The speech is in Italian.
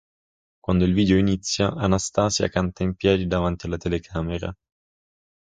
Quando il video inizia, Anastacia canta in piedi davanti alla telecamera.